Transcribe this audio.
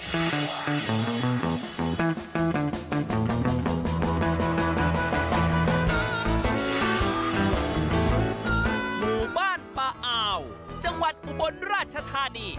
หมู่บ้านป่าอ่าวจังหวัดอุบลราชธานี